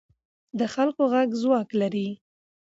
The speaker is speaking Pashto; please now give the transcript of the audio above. د خلکو غږ ځواک لري